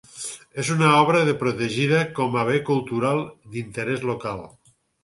És una obra de protegida com a bé cultural d'interès local.